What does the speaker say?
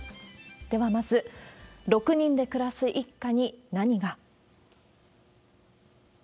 ではまず、６人で暮らす一家に何が。